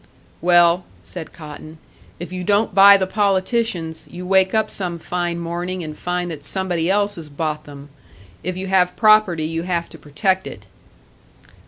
"Well," said Cotton, "if you don't buy the politicians, you wake up some fine morning and find that somebody else has bought them. If you have property, you have to protect it."